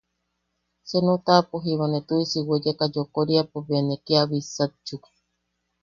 Senu taʼapo jiba ne tuʼisi weyeka yokoriapo bea ne kia bitsakchuk.